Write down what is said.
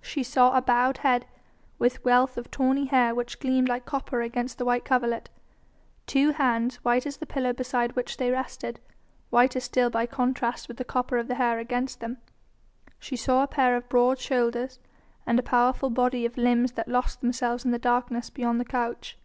She saw a bowed head with wealth of tawny hair which gleamed like copper against the white coverlet, two hands white as the pillow beside which they rested, whiter still by contrast with the copper of the hair against them; she saw a pair of broad shoulders, and a powerful body and limbs that lost themselves in the darkness beyond the couch.